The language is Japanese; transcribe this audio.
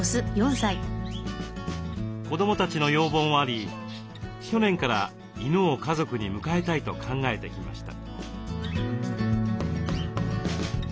子どもたちの要望もあり去年から犬を家族に迎えたいと考えてきました。